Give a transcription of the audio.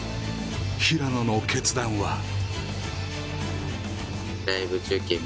平野の決断は